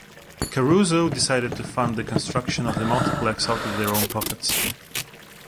Caruso decided to fund the construction of the multiplex out of their own pockets.